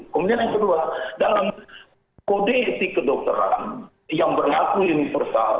kemudian yang kedua dalam kode etik kedokteran yang berlaku universal